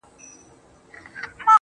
د پښو د څو نوکانو سر قلم دی خو ته نه يې,